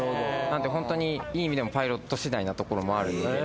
なのでほんとにいい意味でもパイロットしだいなところもあるので。